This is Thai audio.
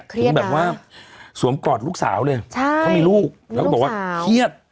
ถึงแบบว่าสวมกอดลูกสาวเลยเขามีลูกแล้วก็บอกว่าเครียด